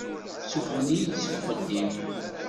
Suffɣen-iyi-d seg uxeddim.